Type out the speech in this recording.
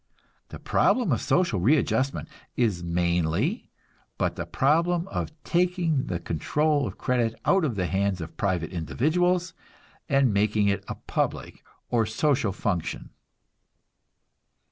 The problem of social readjustment is mainly but the problem of taking the control of credit out of the hands of private individuals, and making it a public or social function.